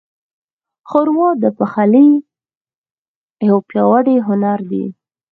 ښوروا د پخلي یو پیاوړی هنر دی.